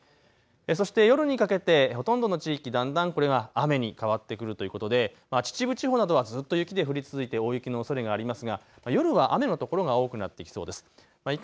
そして夜にかけてほとんどの地域だんだんこれが雨に変わってくるということで秩父地方などはずっと雪で降り続いて大雪のおそれがありますが夜は雨の所が多くなってきそうです。